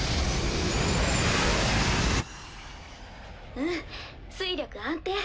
うん推力安定。